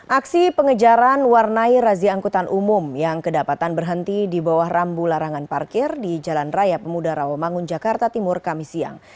aksi pengejaran warnai razi angkutan umum yang kedapatan berhenti di bawah rambu larangan parkir di jalan raya pemuda rawamangun jakarta timur kami siang